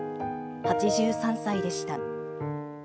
８３歳でした。